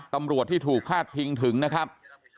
ตำรวจที่ถูกพาดพิงถึงนะครับ